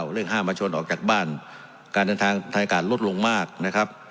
ห้ามมาชนออกจากบ้านการเดินทางทางอากาศลดลงมากนะครับ